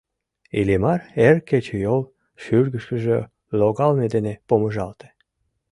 Иллимар эр кечыйол шӱргышкыжӧ логалме дене помыжалте.